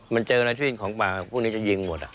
มันเจออะไรที่เป็นของป่าพวกนี้จะยิงหมด